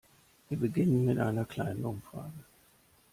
Wir beginnen mit einer kleinen Umfrage.